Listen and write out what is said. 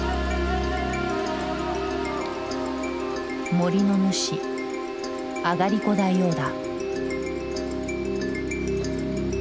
森の主あがりこ大王だ。